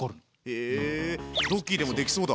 へえドッキーでもできそうだ。